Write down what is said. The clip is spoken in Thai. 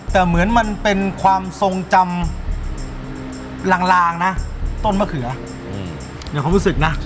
แต่เหมือนมันเป็นความทรงจำลางนะต้นมะเขือในความรู้สึกนะ